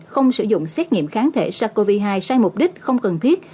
không sử dụng xét nghiệm kháng thể sars cov hai sai mục đích không cần thiết